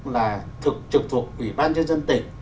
là thực trực thuộc quỹ ban dân dân tỉnh